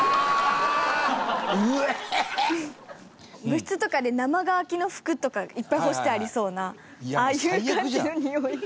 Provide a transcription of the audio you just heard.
部室とかで生乾きの服とかいっぱい干してありそうなああいう感じのにおい。